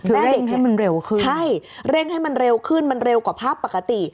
แม่เด็กให้มันเร็วขึ้นใช่เร่งให้มันเร็วขึ้นมันเร็วกว่าภาพปกติ